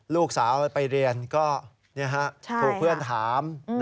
ลูกสาวไปเรียนก็ถูกเพื่อนถาม